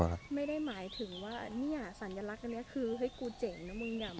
ไม่ได้หมายถึงว่านี่สัญลักษณ์นี่ละคือให้กูเจ๋งนะมรึงเนี่ย